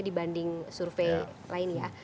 dibanding survei lainnya